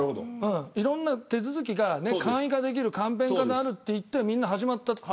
いろんな手続きが簡易化できる簡便化があるといって、みんな始まった。